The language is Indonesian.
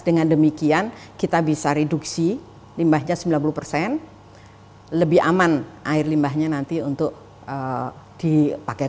dengan demikian kita bisa reduksi limbahnya sembilan puluh persen lebih aman air limbahnya nanti untuk dipakai